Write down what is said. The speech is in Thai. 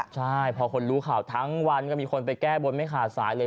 ใช่พอคนรู้ข่าวทั้งวันก็มีคนไปแก้บนไม่ขาดสายเลย